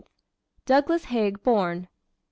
Douglas Haig born. 1880.